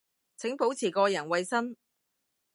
請保持個人衛生